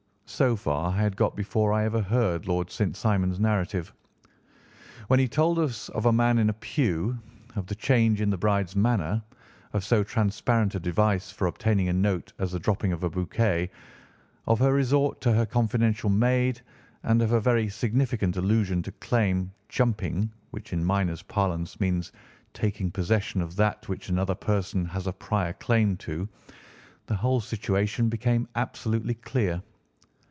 So far I had got before I ever heard Lord St. Simon's narrative. When he told us of a man in a pew, of the change in the bride's manner, of so transparent a device for obtaining a note as the dropping of a bouquet, of her resort to her confidential maid, and of her very significant allusion to claim jumping—which in miners' parlance means taking possession of that which another person has a prior claim to—the whole situation became absolutely clear.